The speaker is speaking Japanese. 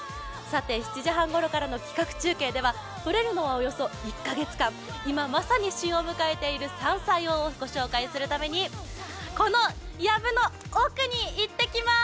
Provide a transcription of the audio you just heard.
７時半ごろからの企画中継ではとれるのはおよそ１か月間今、まさに旬を迎えている山菜をご紹介するためにこのやぶの奥に行ってきまーす。